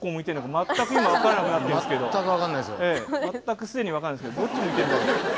まったく既に分かんないですけどどっち向いてるんだろう？